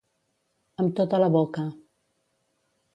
Amb tota la boca.